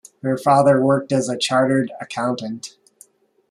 Her father worked as a chartered accountant.